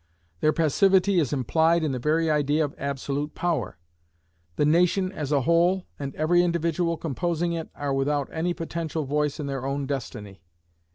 Their passivity is implied in the very idea of absolute power. The nation as a whole, and every individual composing it, are without any potential voice in their own destiny.